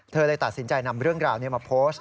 เลยตัดสินใจนำเรื่องราวนี้มาโพสต์